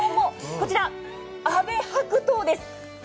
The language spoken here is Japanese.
こちら、阿部白桃です。